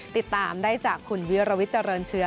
ติดตามได้จากคุณวิรวิทย์เจริญเชื้อ